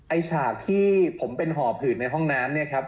ฉากที่ผมเป็นหอบหืดในห้องน้ำเนี่ยครับ